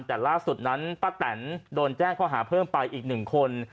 แต่ล่าสุดนั้นป้าแตนโดนแจ้งข้อหาเพิ่มไปอีกหนึ่งคน